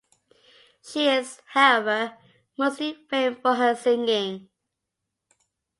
She is, however, mostly famed for her singing.